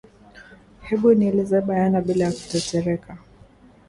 Hebu nieleze bayana bila ya kutetereka